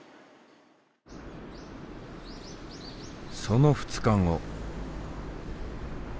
その２日後。